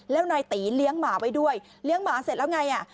แล้วนายตีเลี้ยงหมาไว้ด้วยเลี้ยงหมาเสร็จแล้วไงอ่ะ